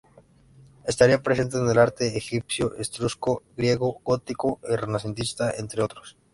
Estaría presente en el arte egipcio, etrusco, griego, gótico y renacentista, entre otros.